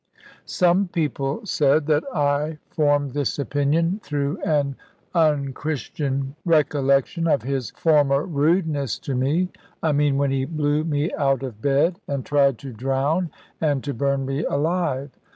Some people said that I formed this opinion through an unchristian recollection of his former rudeness to me; I mean when he blew me out of bed, and tried to drown, and to burn me alive.